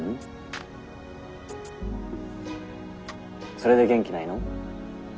それで元気ないの？